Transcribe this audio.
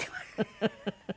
フフフフ。